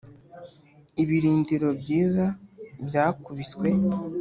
ibirindiro byiza byakubiswe